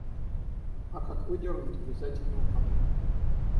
А как выдернут, обязательно упадут.